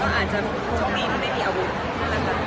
มีอาวุธไม่มีอาวุธ